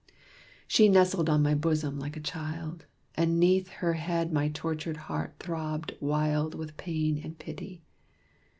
She nestled on my bosom like a child. And 'neath her head my tortured heart throbbed wild With pain and pity.